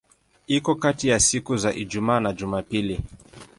Iko kati ya siku za Ijumaa na Jumapili.